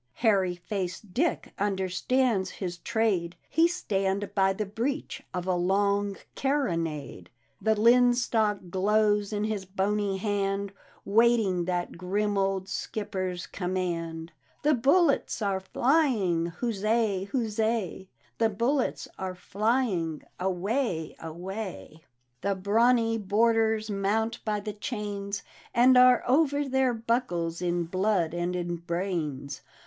Hairy faced Dick understands his trade; He stand by the breech of a long carronade, The linstock glows in his bony hand, Waiting that grim old Skipper's command. "The bullets arc flying — huzza! huzzal The bullets are flying — away I awayl "— D,gt,, erihyGOOgle 82 The Haunted Hour The brawnjr boarders mount by the chains, And are over dicir buckles in blood and in brains.